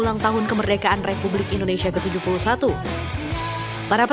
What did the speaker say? bangun bermandi lumpur demi menangkap bebek